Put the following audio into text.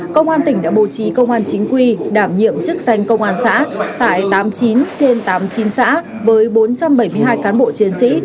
công an tỉnh đã bố trí công an chính quy đảm nhiệm chức danh công an xã tại tám mươi chín trên tám mươi chín xã với bốn trăm bảy mươi hai cán bộ chiến sĩ